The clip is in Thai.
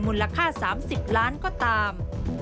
มูลค่า๓๐ล้านก็ตาม